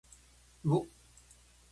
うおっ。